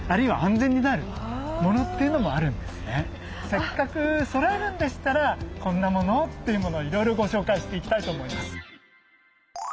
せっかくそろえるんでしたらこんなものをというものをいろいろご紹介していきたいと思います。